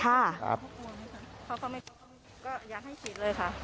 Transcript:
พอเขาไม่กลัวก็อยากให้ฉีดเลยค่ะ